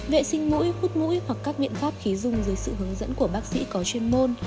vệ sinh mũi hút mũi hoặc các biện pháp khí dung dưới sự hướng dẫn của bác sĩ có chuyên môn